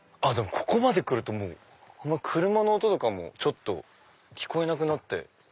ここまで来ると車の音とかも聞こえなくなって。